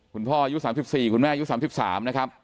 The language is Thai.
คุณพ่ออายุสามสิบสี่คุณแม่อายุสามสิบสามนะครับ